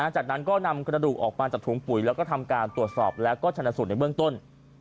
จากนั้นก็นำกระดูกออกมาจากถุงปุ๋ยแล้วก็ทำการตรวจสอบแล้วก็ชนะสูตรในเบื้องต้น